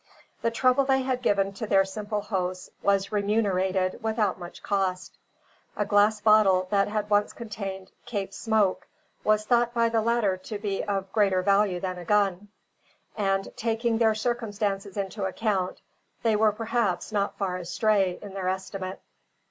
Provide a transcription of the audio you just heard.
The trouble they had given to their simple hosts was remunerated without much cost. A glass bottle that had once contained "Cape Smoke," was thought by the latter to be of greater value than a gun; and, taking their circumstances into account, they were perhaps not far astray in their estimate.